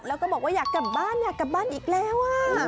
แล้วก็บอกว่าอยากกลับบ้านอยากกลับบ้านอีกแล้ว